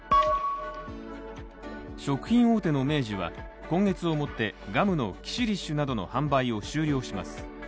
食品大手の明治は今月をもってガムのキシリッシュなどの販売を終了します。